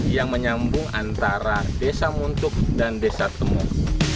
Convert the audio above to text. yang menyambung antara desa muntuk dan desa temuk